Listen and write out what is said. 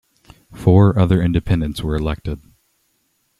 Four other independents were elected.